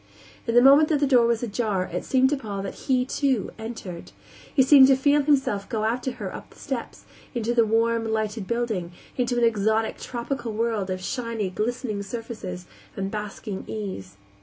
In the moment that the door was ajar it seemed to Paul that he, too, entered. He seemed to feel himself go after her up the steps, into the warm, lighted building, into an exotic, tropical world of shiny, glistening surfaces and basking ease.